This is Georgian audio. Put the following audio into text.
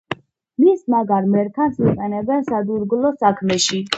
მის მაგარ მერქანს იყენებენ სადურგლო საქმეში.